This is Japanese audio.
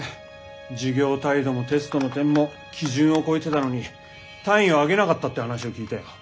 授業態度もテストの点も基準を超えてたのに単位をあげなかったって話を聞いたよ。